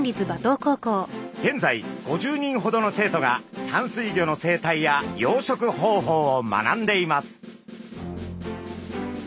現在５０人ほどの生徒が淡水魚の生態や養殖方法を学んでいます。